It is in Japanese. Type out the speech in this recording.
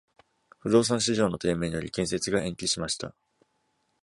不動産市場の低迷により建設が延期しました。